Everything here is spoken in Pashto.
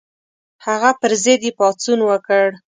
هغه پر ضد یې پاڅون وکړ.